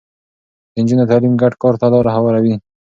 د نجونو تعليم ګډ کار ته لاره هواروي.